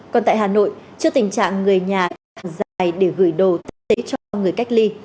còn tại hà nội trước tình trạng người nhà dài để gửi đồ tích tế cho người cách ly